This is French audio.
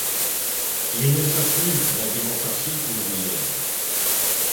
Il ne sert plus la démocratie ouvrière.